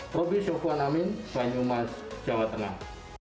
roby sofwan amin banyumas jawa tengah